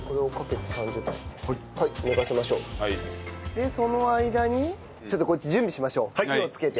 でその間にちょっとこっち準備しましょう火をつけて。